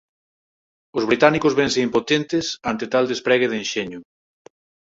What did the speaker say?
Os británicos vense impotentes ante tal despregue de enxeño.